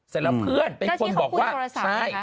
เสร็จแล้วเพื่อนเป็นคนบอกว่าใช่